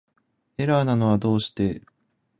エラーなのはどうして